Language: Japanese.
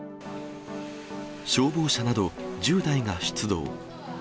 消防車など、１０台が出動。